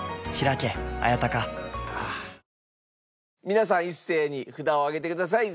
皆さん一斉に札を上げてください。